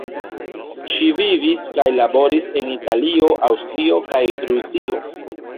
Ŝi vivis kaj laboris en Italio, Aŭstrio, kaj Rusio.